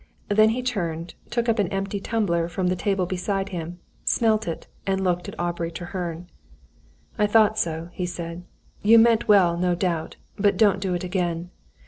Then he turned, took up an empty tumbler from the table behind him, smelt it, and looked at Aubrey Treherne. "I thought so," he said. "You meant well, no doubt. But don't do it again.